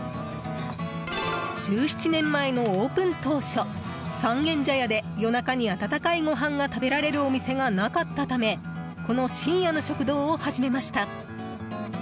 １７年前のオープン当初三軒茶屋で、夜中に温かいごはんが食べられる店がなかったためこの深夜の食堂を始めました。